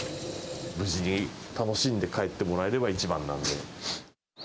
無事に楽しんで帰ってもらえれば一番なんで。